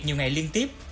nhiều ngày liên tiếp